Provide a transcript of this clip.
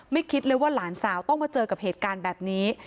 คิดเลยว่าหลานสาวต้องมาเจอกับเหตุการณ์แบบนี้